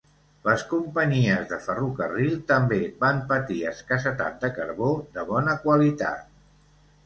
Les companyies de ferrocarril també van patir escassetat de carbó de bona qualitat.